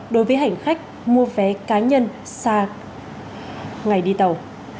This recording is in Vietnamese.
đối với hành khách mua vé cá nhân xa ngày đi tàu